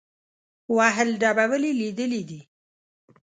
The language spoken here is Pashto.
وهل ډبول یې لیدلي دي.